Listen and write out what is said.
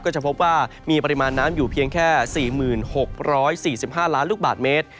จะพบว่ามีปริมาณน้ำอยู่เพียงแค่๔๖๔๕ล้านลูกบาทเมตร